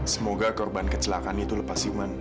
semoga korban kecelakaan itu lepas iman